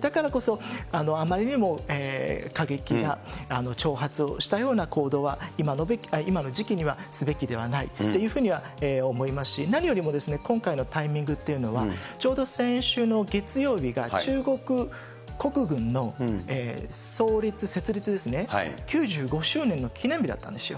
だからこそ、あまりにも過激な挑発をしたような行動は、今の時期にはすべきではないというふうには思いますし、何よりも今回のタイミングっていうのは、ちょうど先週の月曜日が中国国軍の創立、設立ですね、９５周年の記念日だったんですよ。